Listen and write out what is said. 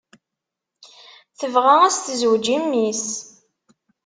Tebɣa ad s-tezweǧ i mmi-s.